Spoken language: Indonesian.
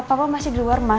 papa masih di luar mas